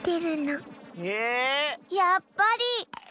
やっぱり！